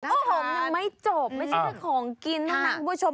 โอ้โหยังไม่จบไม่ใช่แค่ของกินหมายถึงผู้ชม